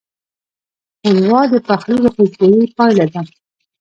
ښوروا د پخلي د خوشبویۍ پایله ده.